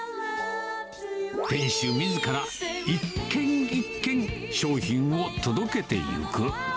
店主みずから一軒一軒商品を届けていく。